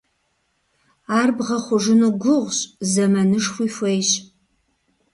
Ар бгъэхъужыну гугъущ, зэманышхуи хуейщ.